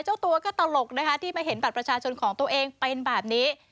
เจ้าตัวก็ตลกนะคะที่มาเห็นบัตรประชาชนของตัวเองเป็นแบบนี้